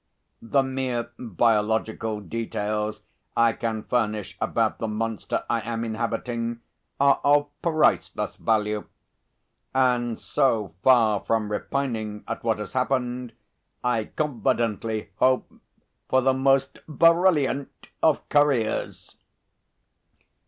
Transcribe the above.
The mere biological details I can furnish about the monster I am inhabiting are of priceless value. And so, far from repining at what has happened, I confidently hope for the most brilliant of careers."